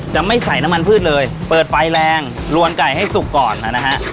ไม่ใส่น้ำมันพืชเลยเปิดไฟแรงลวนไก่ให้สุกก่อนนะฮะ